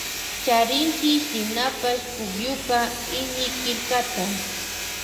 Charinchi shinashka pukyupa iñikillkata.